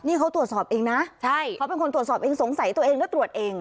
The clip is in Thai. นี่เขาตรวจสอบเองนะใช่เขาเป็นคนตรวจสอบเองสงสัยตัวเองแล้วตรวจเอง